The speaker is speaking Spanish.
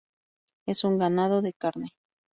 Es un ganado de carne.